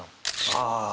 ああ。